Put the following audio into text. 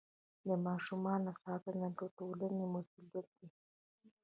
د ماشومانو ساتنه د ټولنې مسؤلیت دی.